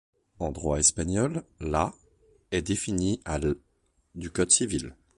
En droit espagnol, la ' est définie à l' du Code civil.